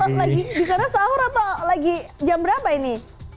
bisa sahur atau lagi jam berapa ini